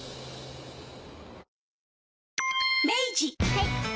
はい。